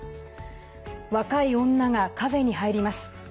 若い女がカフェに入ります。